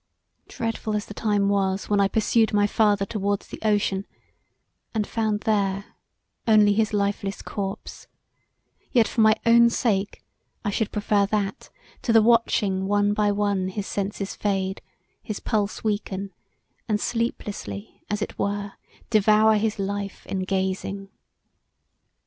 Dreadful as the time was when I pursued my father towards the ocean, & found their only his lifeless corpse; yet for my own sake I should prefer that to the watching one by one his senses fade; his pulse weaken and sleeplessly as it were devour his life in gazing.